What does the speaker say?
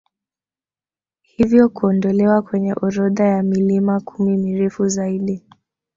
Hivyo kuondolewa kwenye orodha ya milima kumi mirefu zaidi